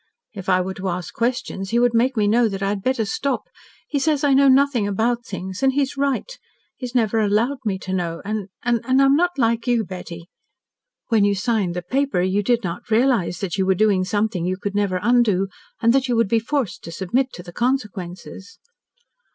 If I were to ask questions, he would make me know that I had better stop. He says I know nothing about things. And he is right. He has never allowed me to know and and I am not like you, Betty." "When you signed the paper, you did not realise that you were doing something you could never undo and that you would be forced to submit to the consequences?"